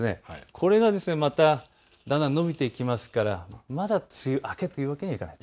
これがまただんだんと延びてきますからまだ梅雨明けということにはなりません。